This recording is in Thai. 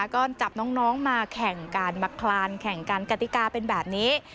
ก็จับน้องมาแข่งกันมาคลานแข่งกันกติกาเป็นแบบนี้